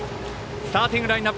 スターティングラインナップ